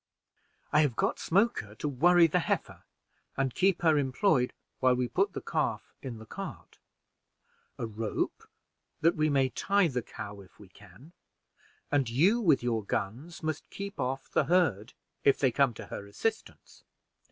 I have got Smoker to worry the heifer and keep her employed, while we put the calf in the cart; a rope that we may tie the cow if we can; and you with your guns must keep off the herd if they come to her assistance.